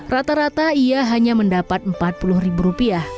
rata rata ia hanya mendapat rp empat puluh